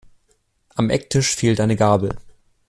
Am Ecktisch fehlt eine Gabel.